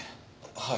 はい。